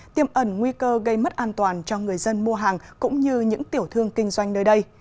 tiêm ẩn nguy cơ gây mất an toàn cho người dân mua hàng cũng như những tiểu thương kinh doanh nơi đây